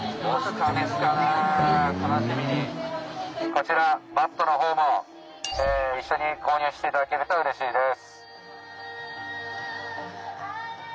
こちらマットのほうも一緒に購入して頂けるとうれしいです。